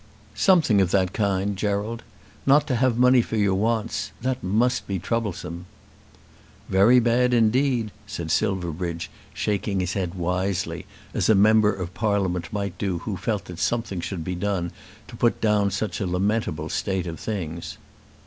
"Something of that kind, Gerald. Not to have money for your wants; that must be troublesome." "Very bad indeed," said Silverbridge, shaking his head wisely, as a Member of Parliament might do who felt that something should be done to put down such a lamentable state of things.